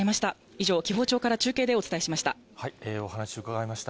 以上、紀宝町から中継でお伝えしお話伺いました。